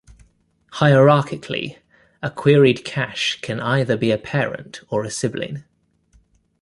Hierarchically, a queried cache can either be a parent or a sibling.